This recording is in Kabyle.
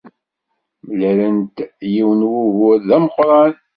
Mlalent-d yiwen n wugur d ameqran.